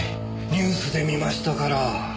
ニュースで見ましたから。